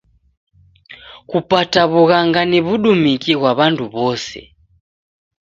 Kupata w'ughanga ni w'udumiki ghwa w'andu w'ose.